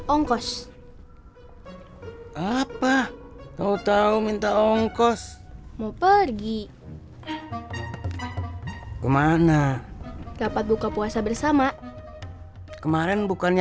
ongkos apa tau tau minta ongkos mau pergi kemana dapat buka puasa bersama kemarin bukannya